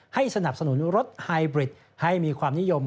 สนับสนุนรถไฮบริดให้มีความนิยม